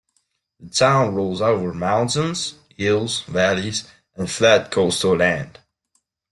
The town rolls over mountains, hills, valleys and flat coastal land.